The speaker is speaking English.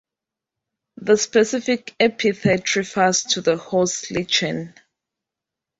The specific epithet refers to the host lichen.